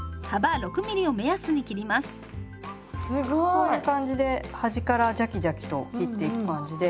こういう感じで端からジャキジャキと切っていく感じで。